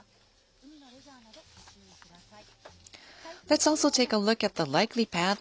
海のレジャーなどご注意ください。